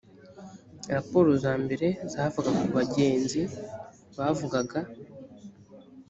raporo za mbere zavaga ku bagenzi bavugaga